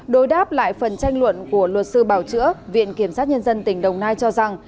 đối đáp lại phần tranh luận của luật sư bảo chữa viện kiểm sát nhân dân tỉnh đồng nai cho rằng